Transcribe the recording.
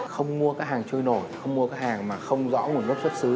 không mua các hàng trôi nổi không mua các hàng mà không rõ nguồn gốc xuất xứ